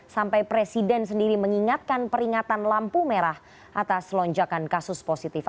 sampai presiden sendiri mengingatkan peringatan lampu merah atas lonjakan kasus positif